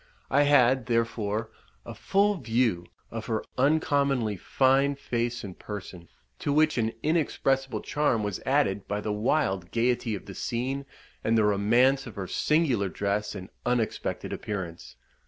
I had, therefore, a full view of her uncommonly fine face and person, to which an inexpressible charm was added by the wild gaiety of the scene, and the romance of her singular dress and unexpected appearance.